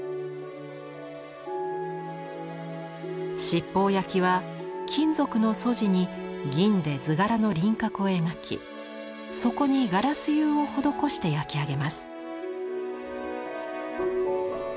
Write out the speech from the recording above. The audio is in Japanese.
七宝焼は金属の素地に銀で図柄の輪郭を描きそこにガラス釉を施して焼き上げます。